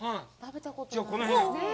じゃあ、この辺を。